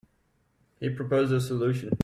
He proposed a solution.